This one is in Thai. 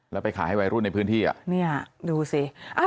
แล้วไปขายให้วัยรุ่นในพื้นที่อ่ะเนี่ยดูสิ